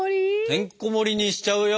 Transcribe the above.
てんこもりにしちゃうよ